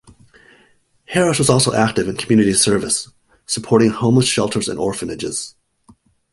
Harris was also active in community service, supporting homeless shelters and orphanages.